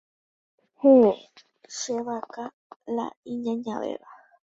Héẽ. Che vaka la iñañavéva.